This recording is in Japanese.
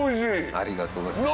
ありがとうございます。